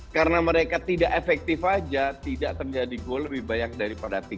karena mereka tidak efektif saja tidak terjadi gol lebih banyak daripada tiga